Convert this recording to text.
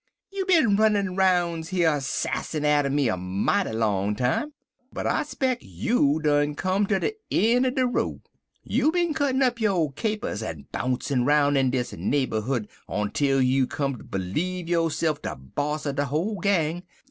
You been runnin' roun' here sassin' atter me a mighty long time, but I speck you done come ter de een' er de row. You bin cuttin' up yo' capers en bouncin''roun' in dis neighberhood ontwel you come ter b'leeve yo'se'f de boss er de whole gang.